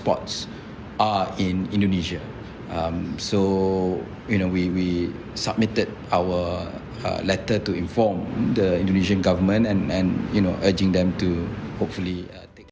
pemerintah indonesia juga memberikan surat kepada pemerintah indonesia agar kebakaran hutan segera diatasi